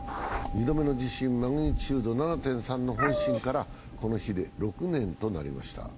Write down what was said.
２度目の地震、マグニチュード７．３の本震からこの日で６年となりました。